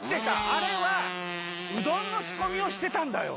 あれはうどんのしこみをしてたんだよ。